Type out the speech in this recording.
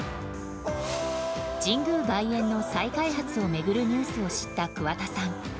神宮外苑の再開発を巡るニュースを知った桑田さん。